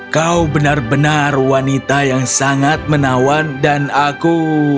kau benar benar wanita yang sangat menawan dan aku